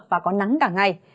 và có nắng cả ngày